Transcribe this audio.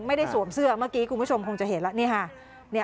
ไม่ได้สวมเสื้อเมื่อกี้คุณผู้ชมคงจะเห็นล่ะ